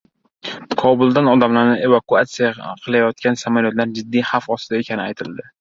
Kobuldan odamlarni evakuasiya qilayotgan samolyotlar jiddiy xavf ostida ekani aytildi